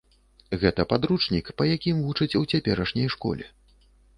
Гэта падручнік, па якім вучаць у цяперашняй школе.